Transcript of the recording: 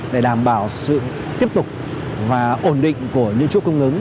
để đảm bảo sự tiếp tục và ổn định của những chuỗi cung ứng